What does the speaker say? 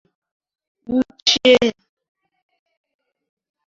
nwụchie ya